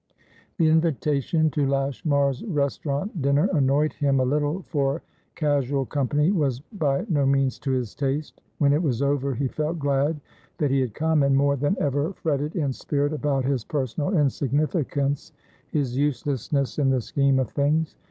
The invitation to Lashmar's restaurant dinner annoyed him a little, for casual company was by no means to his taste; when it was over, he felt glad that he had come, and more than ever fretted in spirit about his personal insignificance, his uselessness in the scheme of things.